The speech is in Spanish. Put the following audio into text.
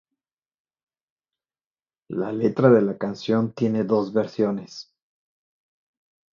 La letra de la canción tiene dos versiones.